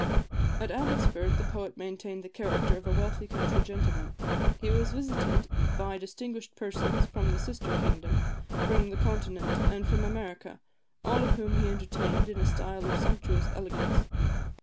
At Abbotsford the poet maintained the character of a wealthy country gentleman. He was visited by distinguished persons from the sister kingdom, from the Continent, and from America, all of whom he entertained in a style of sumptuous elegance.